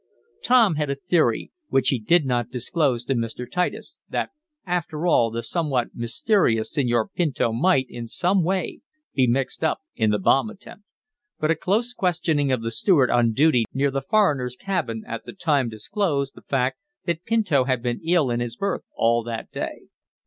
Tom had a theory, which he did not disclose to Mr. Titus, that, after all, the somewhat mysterious Senor Pinto might, in some way, be mixed up in the bomb attempt. But a close questioning of the steward on duty near the foreigner's cabin at the time disclosed the fact that Pinto had been ill in his berth all that day.